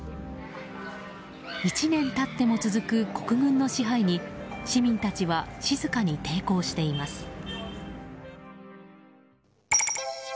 １年経っても続く国軍の支配に市民たちは静かに抵抗しています。